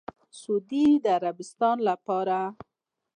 سعودي عربستان لپاره